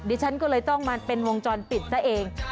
ดิฉันก็เลยต้องมาเป็นวงจรปิดซะเอง